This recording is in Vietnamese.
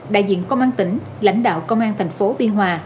đại diện công an tỉnh lãnh đạo công an tp biên hòa